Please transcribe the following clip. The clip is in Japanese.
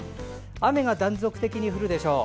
雨が断続的に降るでしょう。